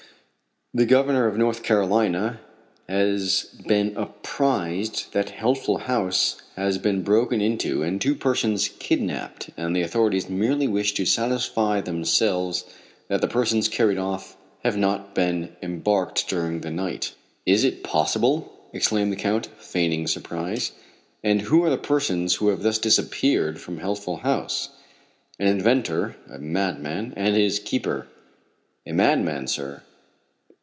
"The governor of North Carolina has been apprised that Healthful House has been broken into and two persons kidnapped, and the authorities merely wish to satisfy themselves that the persons carried off have not been embarked during the night." "Is it possible?" exclaimed the Count, feigning surprise. "And who are the persons who have thus disappeared from Healthful House?" "An inventor a madman and his keeper." "A madman, sir?